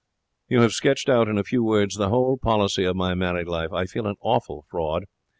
'You have sketched out in a few words the whole policy of my married life. I feel an awful fraud.